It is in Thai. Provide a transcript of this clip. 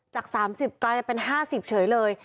จาก๓๐ไปเป็น๕๐เฉยเลย